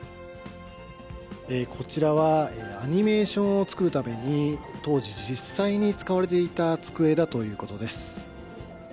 こちらはアニメーションを作るために、当時、実際に使われていた机だということです。